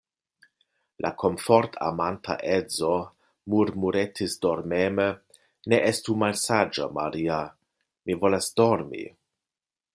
La komfortamanta edzo murmuretis dormeme: Ne estu malsaĝa, Maria; mi volas dormi.